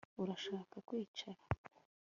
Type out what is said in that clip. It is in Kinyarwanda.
Urashaka kwicara